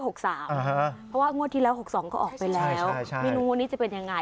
เพราะว่างวดที่แล้ว๖๒ก็ออกไปแล้วไม่รู้วันนี้จะเป็นยังไง